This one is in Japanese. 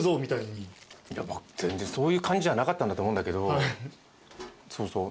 全然そういう感じじゃなかったんだと思うんだけど。